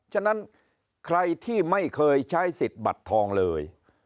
ฉะนั้นใครที่ไม่เคยใช้สิทธิ์บัตรทองเลย